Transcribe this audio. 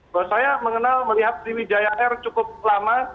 bahwa saya mengenal melihat di wijaya air cukup lama